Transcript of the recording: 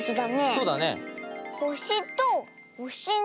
そうだね。